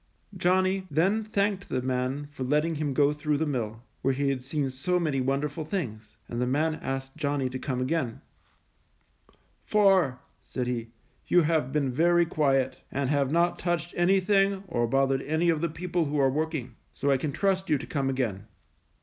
Johnny then thanked the man for letting him go through the mill, where he had seen so many wonderful things, and the man asked Johnny to come again, "For," said he, "you have been very quiet, and have not touched anything or bothered any of the people who are working; so I can trust you to come again."